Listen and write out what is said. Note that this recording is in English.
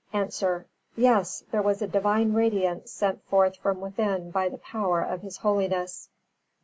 _ A. Yes, there was a divine radiance sent forth from within by the power of his holiness.